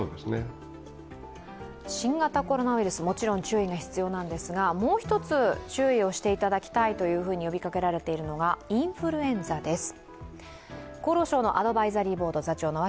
新型コロナウイルス、もちろん注意が必要なんですがもう一つ注意をしていただきたいと呼びかけられているのがインフルエンザです。